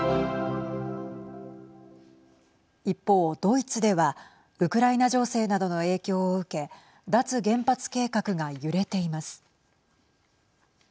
一方、ドイツではウクライナ情勢などの影響を受け脱原発計画が揺れています。